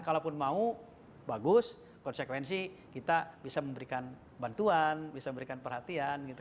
kalaupun mau bagus konsekuensi kita bisa memberikan bantuan bisa memberikan perhatian gitu